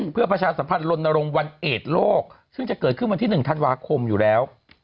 เพื่อประชาสัมพันธ์ลนรงค์วันเอดโลกซึ่งจะเกิดขึ้นวันที่๑ธันวาคมอยู่แล้ว